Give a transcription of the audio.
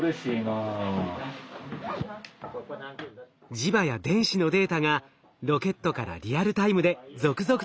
磁場や電子のデータがロケットからリアルタイムで続々と送られてきます。